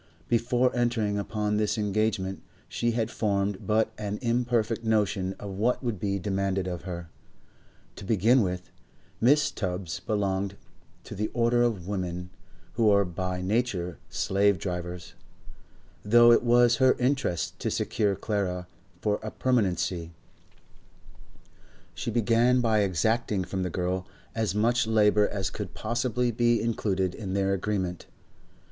Before entering upon this engagement she had formed but an imperfect notion of what would be demanded of her. To begin with, Mrs. Tubbs belonged to the order of women who are by nature slave drivers; though it was her interest to secure Clara for a permanency, she began by exacting from the girl as much labour as could possibly be included in their agreement.